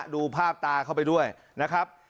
ดูภาพตาเข้าไปด้วยนะครับ